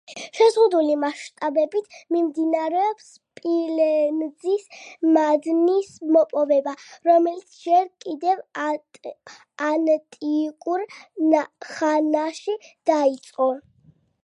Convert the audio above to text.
შეზღუდული მასშტაბებით მიმდინარეობს სპილენძის მადნის მოპოვება, რომელიც ჯერ კიდევ ანტიკურ ხანაში დაიწყო.